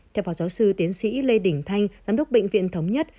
theo phó giáo sư tiến sĩ lê đình thanh giám đốc bệnh viện thống nhất